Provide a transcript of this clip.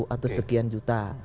atau sekian juta